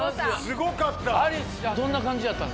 すごかった。